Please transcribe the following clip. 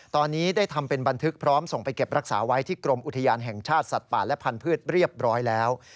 ตอนนี้ได้ทำเป็นบันทึกพร้อมส่งไปเก็บรักษาไว้ที่กรมอุทยานแห่งชาติสัตว์ป่าและพันธุ์เรียบร้อยแล้ว